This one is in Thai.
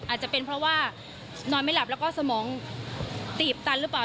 อาจจะเป็นเพราะว่านอนไม่หลับแล้วก็สมองตีบตันหรือเปล่า